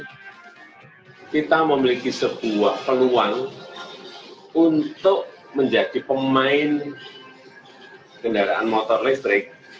kita memiliki sebuah peluang untuk menjadi pemain kendaraan motor listrik